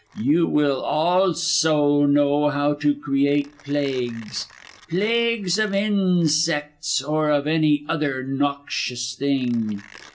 You will also know how to create plagues plagues of insects, or of any other noxious thing.